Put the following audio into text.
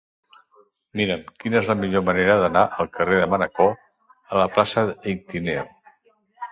Mira'm quina és la millor manera d'anar del carrer de Manacor a la plaça de l'Ictíneo.